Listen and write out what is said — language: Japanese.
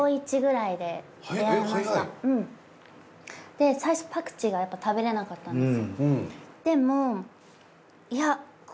で最初パクチーがやっぱ食べられなかったんです。